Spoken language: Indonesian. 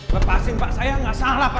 lepasin pak saya nggak salah pak